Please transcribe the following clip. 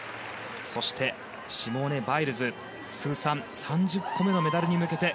そして、シモーネ・バイルズが通算３０個目のメダルに向けて